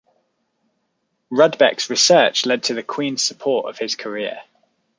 Rudbeck's research led to the Queen's support of his career.